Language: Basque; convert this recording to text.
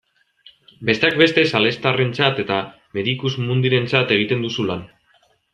Besteak beste salestarrentzat eta Medicus Mundirentzat egiten duzu lan.